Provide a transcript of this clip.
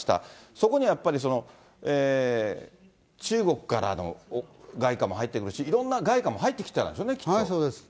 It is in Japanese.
そこにはやっぱり中国からの外貨も入ってるし、いろんな外貨も入ってきてたんでしょうね、きっと。